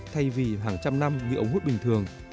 thay vì hàng trăm năm như ống hút bình thường